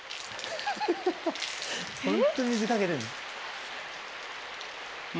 本当に水かけてる。